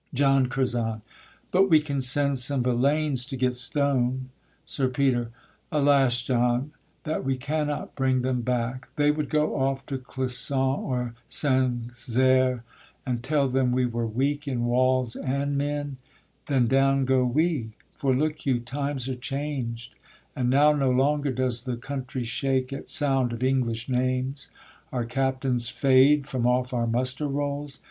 JOHN CURZON. But we can send some villaynes to get stone. SIR PETER. Alas! John, that we cannot bring them back, They would go off to Clisson or Sanxere, And tell them we were weak in walls and men, Then down go we; for, look you, times are changed, And now no longer does the country shake At sound of English names; our captains fade From off our muster rolls.